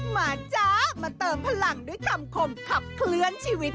มาจ้ามาเติมพลังด้วยคำคมขับเคลื่อนชีวิต